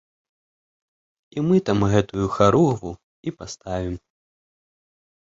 І мы там гэтую харугву і паставім.